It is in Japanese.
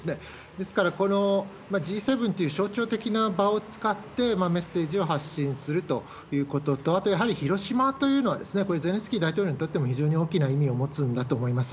ですから、このＧ７っていう象徴的な場を使ってメッセージを発信するということと、あと、やはり広島というのは、これ、ゼレンスキー大統領にとっても非常に大きな意味を持つんだと思います。